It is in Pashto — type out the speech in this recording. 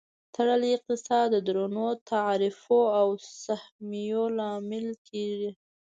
تړلی اقتصاد د درنو تعرفو او سهمیو لامل کیږي.